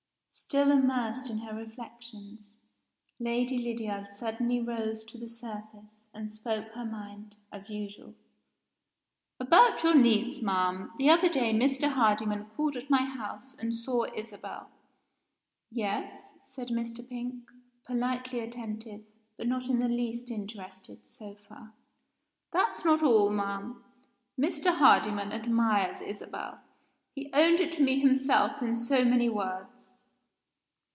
Still immersed in her reflections, Lady Lydiard suddenly rose to the surface, and spoke her mind, as usual. "About your niece, ma'am. The other day Mr. Hardyman called at my house, and saw Isabel." "Yes," said Miss Pink, politely attentive, but not in the least interested, so far. "That's not all ma'am. Mr. Hardyman admires Isabel; he owned it to me himself in so many words."